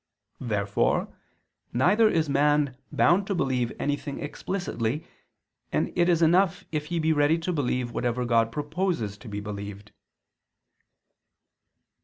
Therefore neither is man bound to believe anything explicitly, and it is enough if he be ready to believe whatever God proposes to be believed.